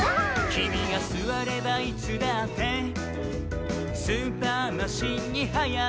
「きみがすわればいつだってスーパー・マシンにはやがわり」